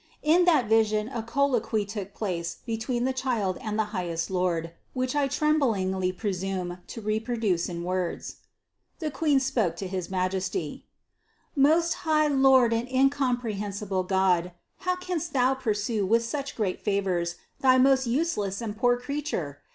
In that vision a colloquy took place between the Child and the highest Lord, which I tremblingly presume to reproduce in words. 390. The Queen spoke to his Majesty: "Most High Lord and incomprehensible God, how canst Thou pursue with so great favors thy most useless and poor creature?